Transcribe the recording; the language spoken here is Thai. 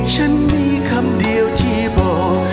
ฉันมีคำเดียวที่บอก